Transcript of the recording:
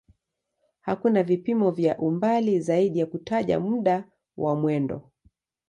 Hakuna vipimo vya umbali zaidi ya kutaja muda wa mwendo.